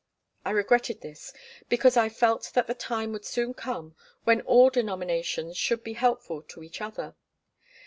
I regretted this, because I felt that the time would soon come when all denominations should be helpful to each other.